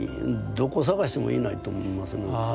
どこ探してもいないと思いますね。